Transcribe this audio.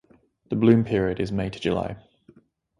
The bloom period is May to July.